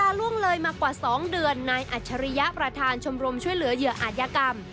ล่วงเลยมากว่า๒เดือนนายอัจฉริยะประธานชมรมช่วยเหลือเหยื่ออาจยกรรม